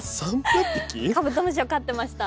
カブトムシを飼ってました。